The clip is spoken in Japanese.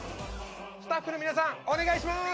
スタッフの皆さんお願いします！